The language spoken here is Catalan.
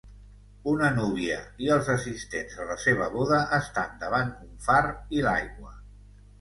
Una núvia i els assistents a la seva boda estan davant un far i l'aigua.